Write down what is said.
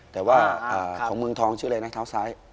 แต่ว่าของเมืองทองชื่ออะไรนะเท้าซ้าย